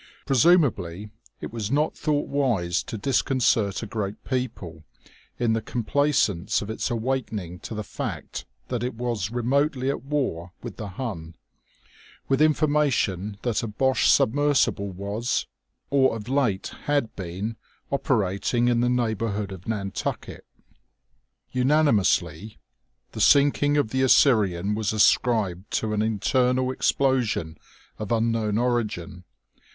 Presumably it was not thought wise to disconcert a great people, in the complacence of its awakening to the fact that it was remotely at war with the Hun, with information that a Boche submersible was, or of late had been, operating in the neighbourhood of Nantucket. Unanimously the sinking of the Assyrian was ascribed to an internal explosion of unknown origin.